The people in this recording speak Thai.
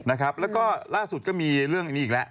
นะครับแล้วก็ล่าสุดก็มีเรื่องอันนี้อีกแล้ว